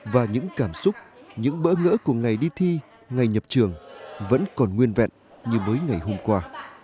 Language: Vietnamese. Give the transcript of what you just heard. và những cảm xúc những bỡ ngỡ của ngày đi thi ngày nhập trường vẫn còn nguyên vẹn như mới ngày hôm qua